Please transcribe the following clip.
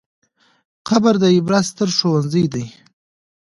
قبر د عبرت ستر ښوونځی دی.